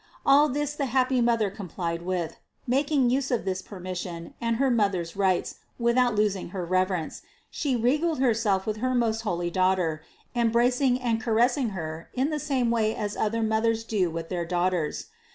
All this the happy mother complied with ; making use of this per mission and her mother's rights without losing her rever ence, she regaled herself with her most holy Daughter, embracing and caressing Her in the same way as other mothers do with their daughters.